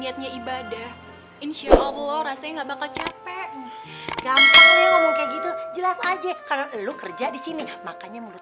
jangan sabahin dong menglenenye